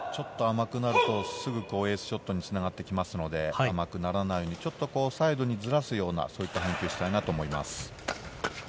ちょっと甘くなると、すぐ防衛ショットに繋がってきますので、甘くならないようにサイドにずらすような動きをしたいなと思います。